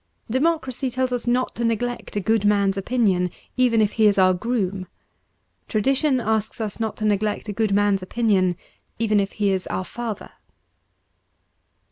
Democracy tells us not to neglect a good man's opinion, even if he is our groom : tradition asks us not to neglect a good man's opinion, even if he is our father.